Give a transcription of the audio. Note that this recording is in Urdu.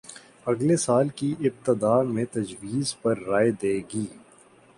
اگلے سال کی ابتدا میں تجویز پر رائے دے گی